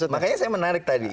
makanya saya menarik tadi